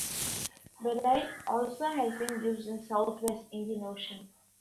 Beryl also has been used in the South-West Indian Ocean.